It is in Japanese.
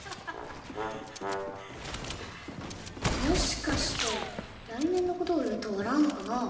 もしかして来年の事を言うと笑うのかな？